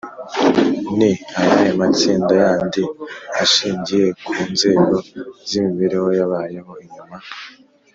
ni ayahe matsinda yandi ashingiye ku nzego z’imibereho yabayeho nyuma?